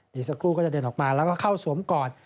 เด็กคู่ก็เดินออกมาและเข้าสวมก่อน